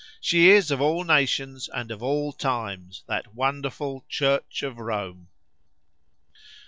She is of all nations, and of all times, that wonderful Church of Rome!